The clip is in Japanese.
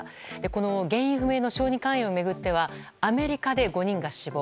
この原因不明の小児肝炎を巡ってアメリカで５人が死亡。